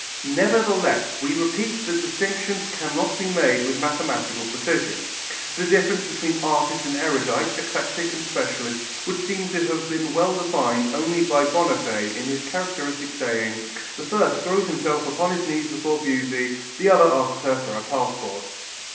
Nevertheless, we repeat that distinctions cannot be made with mathematical precision. The difference between artist and erudite, eclectic and specialist would seem to have been well defined only by Bonnaffé in his characteristic saying: "The first throws himself upon his knees before Beauty; the other asks her for her passports."